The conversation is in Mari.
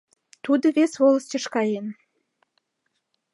Тудо вес волостьыш каен.